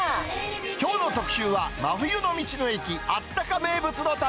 きょうの特集は、真冬の道の駅あったか名物の旅。